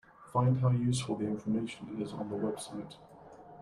Find how useful the information is on the website.